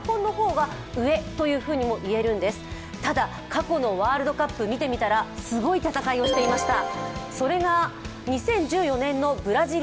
過去のワールドカップを見てみたら、すごい戦いをしていました。